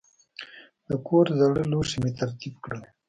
د کور زاړه لوښي مې ترتیب کړل.